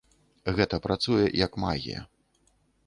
Гэта працуе як магія.